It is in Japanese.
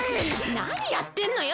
なにやってんのよ！